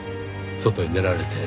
外に出られて。